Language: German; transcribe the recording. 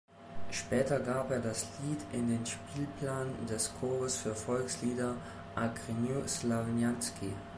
Später gab er das Lied in den Spielplan des Chores für Volkslieder "Agrenew-Slawjanski".